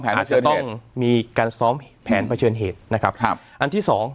แผนประเชิญเหตุอาจจะต้องมีการซ้อมแผนประเชิญเหตุนะครับครับอันที่สอง